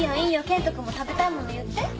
剣人君も食べたいもの言って。